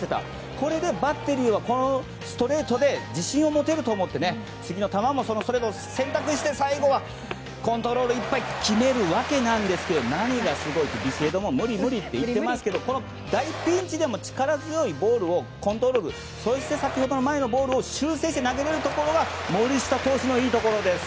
これでバッテリーはストレートで自信を持てると思って次の球もそのストレートを選択して最後はコントロールいっぱい決めるわけなんですが何がすごいってビシエドも無理、無理って言っていますけど大ピンチでも力強いボールをコントロールして先ほどの前のボールを修正して投げられるところは森下選手のいいところです。